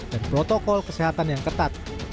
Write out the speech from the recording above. protokol kesehatan yang ketat